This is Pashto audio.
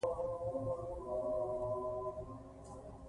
حاجي مریم اکا وویل چې پرتوګ مې لا نه وو اغوستی.